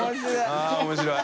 あぁ面白い。